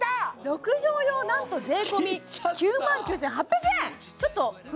６畳用なんと税込９万９８００円切っちゃった